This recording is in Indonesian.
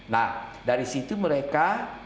nah dari situ mereka